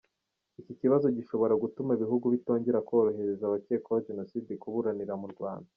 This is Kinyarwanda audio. Iki kibazo gishobora gutuma ibihugu bitongera kohereza abakekwaho Jenoside kuburanira mu Rwanda.